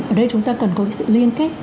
ở đây chúng ta cần có cái sự liên kết